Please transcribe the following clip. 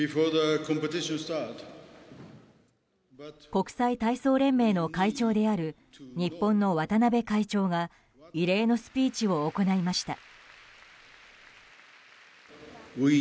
国際体操連盟の会長である日本の渡辺会長が異例のスピーチを行いました。